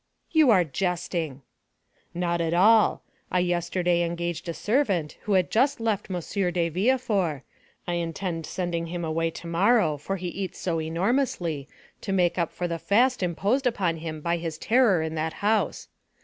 "You are jesting." "Not at all. I yesterday engaged a servant, who had just left M. de Villefort—I intend sending him away tomorrow, for he eats so enormously, to make up for the fast imposed upon him by his terror in that house.